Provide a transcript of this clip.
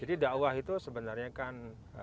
jadi dakwah itu sebenarnya kan